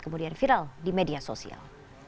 kemudian viral di media sosial